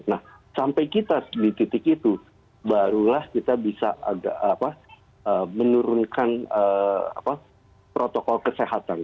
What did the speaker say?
nah sampai kita di titik itu barulah kita bisa menurunkan protokol kesehatan